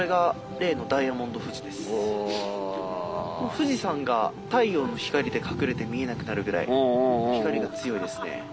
富士山が太陽の光で隠れて見えなくなるぐらい光が強いですね。